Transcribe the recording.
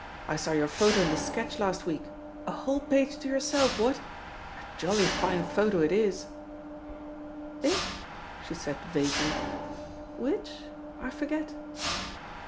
"I saw your photo in the Sketch last week — a whole page to yourself, what! A jollj fine photo it isl" •Itf' she said vaguely, "Which? I forget.